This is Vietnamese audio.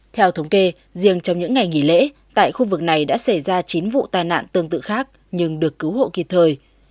theo thống kê riêng trong những ngày nghỉ lễ tại khu vực này đã xảy ra chín vụ tai nạn tương tự khác nhưng được cứu hộ kịp thời